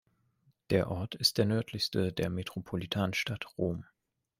Der Ort ist der nördlichste der Metropolitanstadt Rom.